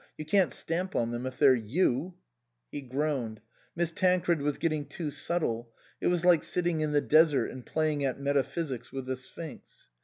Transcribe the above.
You can't stamp on them if they're you" He groaned. Miss Tancred was getting too subtle ; it was like sitting in the desert and playing at metaphysics with the Sphinx.